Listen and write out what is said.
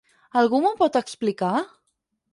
Algú m'ho pot explicar?